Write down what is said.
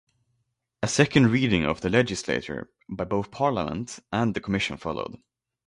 A second reading of the legislature by both Parliament and the Commission followed.